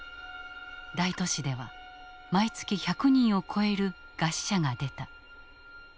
大都市では毎月１００人を超える餓死者が出た。